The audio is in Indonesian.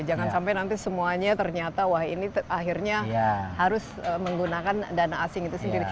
jangan sampai nanti semuanya ternyata wah ini akhirnya harus menggunakan dana asing itu sendiri